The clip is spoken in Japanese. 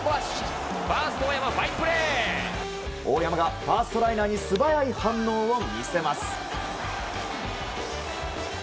大山がファーストライナーに素早い反応を見せます。